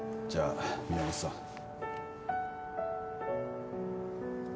じゃあ宮本さん